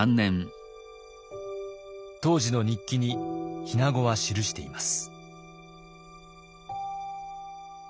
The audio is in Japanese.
当時の日記に日名子は記しています。